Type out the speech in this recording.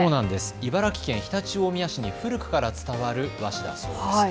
茨城県常陸大宮市に古くから伝わる和紙だそうです。